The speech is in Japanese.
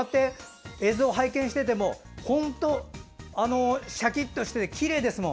映像を拝見していても本当にしゃきっとしていてきれいですもん。